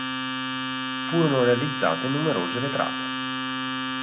Furono realizzate numerose vetrate.